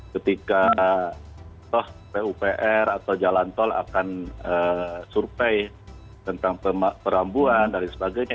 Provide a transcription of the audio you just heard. ketika toh pupr atau jalan tol akan survei tentang perambuan dan sebagainya